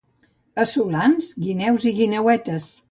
A Solans, guineus i guineuetes.